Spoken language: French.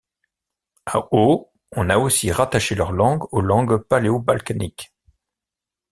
Au on a aussi rattaché leur langue aux langues paléo-balkaniques.